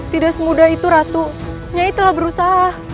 tidak semudah itu ratu nyai telah berusaha